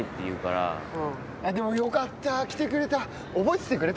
でもよかった。来てくれた。